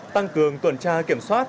tăng cường tuần tra kiểm soát